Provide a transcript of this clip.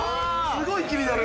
すごい気になる